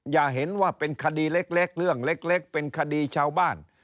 อย่าเห็นว่าเป็นคดีเล็กเรื่องเล็กเป็นคดีชาวบ้าน